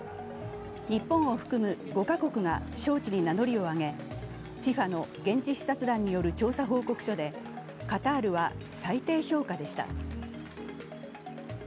日本を含む５か国が招致に名乗りを上げ、ＦＩＦＡの現地視察団による調査報告書でカタールは最低評価でした。